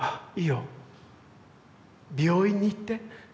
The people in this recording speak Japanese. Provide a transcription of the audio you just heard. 「病院に行って」